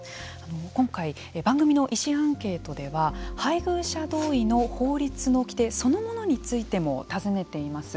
今回、番組の医師アンケートでは配偶者同意の法律の規定そのものについても尋ねています。